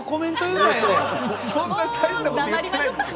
そんな大したこと言ってないですよ